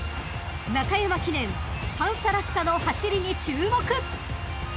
［中山記念パンサラッサの走りに注目！］